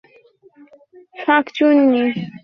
সত্যিই জানতাম না সে শূকরটা চুরি করবে।